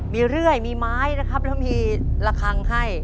มีเรื่อยมีไม้นะครับแล้วมีระคังให้